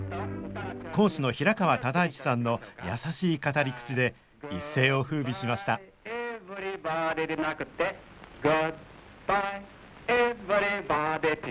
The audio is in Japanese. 講師の平川唯一さんの優しい語り口で一世をふうびしました「グッバイエヴリバディ」